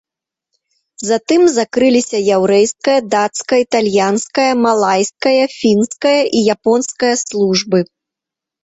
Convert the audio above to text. Затым закрыліся яўрэйская, дацкая, італьянская, малайская, фінская і японская службы.